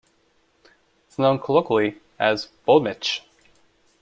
It is known colloquially as "Boul'Mich'".